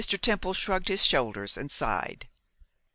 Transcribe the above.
Temple shrugged his shoulders, and sighed.